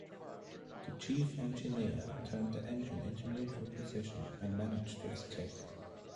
The Chief Engineer turned the engine into neutral position and managed to escape.